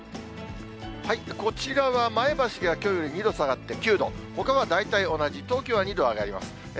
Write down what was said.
こちらは前橋がきょうより２度下がって９度、ほかは大体同じ、東京は２度上がります。